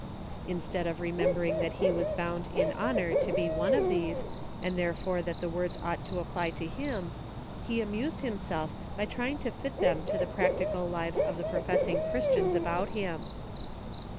Instead of remembering that he was bound in honor to be one of these, and there fore that the words ought to apply to him, he amused himself by trying to fit them to the prac tical lives of the professing Christians about him.